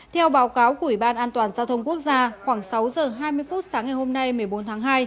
theo báo cáo của ủy ban an toàn giao thông quốc gia khoảng sáu giờ hai mươi phút sáng ngày hôm nay một mươi bốn tháng hai